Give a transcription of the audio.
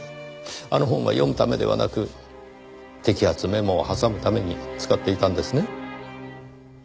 あの本は読むためではなく摘発メモを挟むために使っていたんですね？